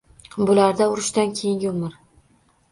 Bularda urushdan keyingi umr?!